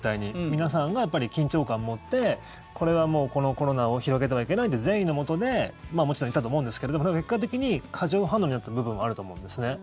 皆さんが緊張感を持ってこれは、もうこのコロナを広げてはいけないって善意のもとでもちろんいたと思うんですけど結果的に過剰反応になった部分はあると思うんですね。